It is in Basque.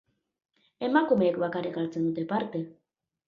Emakumeek bakarrik hartzen dute parte.